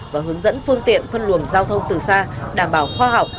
và hướng dẫn phương tiện phân luồng giao thông từ xa đảm bảo khoa học